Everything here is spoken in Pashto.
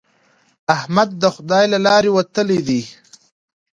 احمد د خدای له لارې وتلی دی.